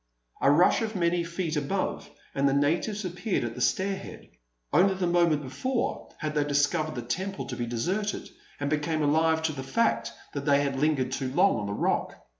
A rush of many feet above, and the natives appeared at the stair head. Only the moment before had they discovered the temple to be deserted, and become alive to the fact that they had lingered too long on the Rock.